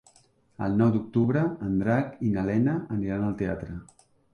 El nou d'octubre en Drac i na Lena aniran al teatre.